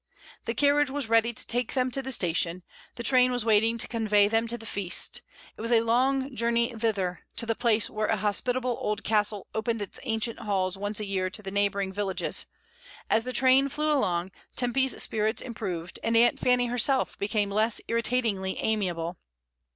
The carriage was ready to take them to the station, the train was waiting to convey EMPTY HOUSES. 23 them to the feast; it was a long journey thither, to the place where a hospitable old castle opened its ancient halls once a year to the neighbouring villages. As the train flew along, Temp/s spirits improved, and Aunt Fanny herself became less irritatingly amiable.